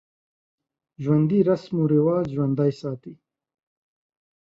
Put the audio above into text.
ژوندي رسم و رواج ژوندی ساتي